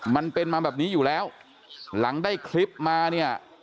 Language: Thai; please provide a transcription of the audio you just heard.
มันเป็นมาแบบนี้อยู่แล้วหลังได้คลิปมาเนี่ย